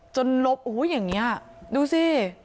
จนลบอย่างเนี่ยดูซิ